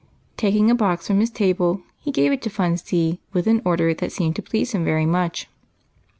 Taking a box from his table, he gave it to Fun See with an order that seemed to please him very much.